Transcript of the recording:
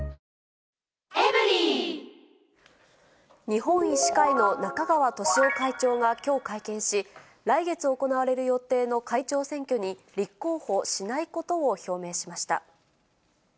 日本医師会の中川俊男会長がきょう会見し、来月行われる予定の会長選挙に立候補しないことを表明しました。